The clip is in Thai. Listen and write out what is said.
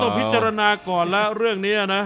พิจารณาก่อนแล้วเรื่องนี้นะ